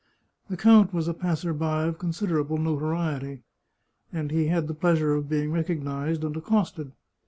The count was a passer by of considerable notoriety, and he had the pleasure of being recognised and accosted.